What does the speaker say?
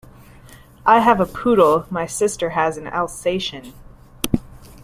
I have a poodle, my sister has an Alsatian